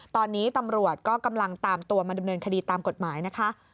ตอนนี้ตำรวจก็กำลังตามตัวมาดำเนินคดีตามกฎหมายนะคะ